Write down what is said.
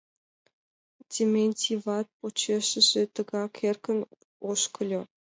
Дементьеват почешыже тыгак эркын ошкыльо.